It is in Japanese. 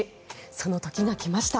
その時が来ました。